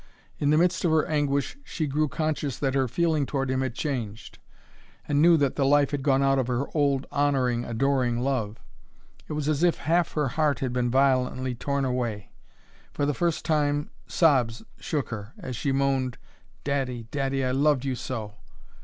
In the midst of her anguish she grew conscious that her feeling toward him had changed, and knew that the life had gone out of her old honoring, adoring love. It was as if half her heart had been violently torn away. For the first time sobs shook her, as she moaned, "Daddy, daddy, I loved you so!"